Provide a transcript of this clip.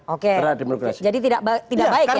oke jadi tidak baik ya